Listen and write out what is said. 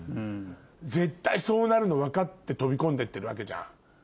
絶対そうなるの分かって飛び込んでってるわけじゃん。